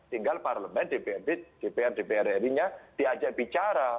tinggal parlemen dprd dprd dprd nya diajak bicara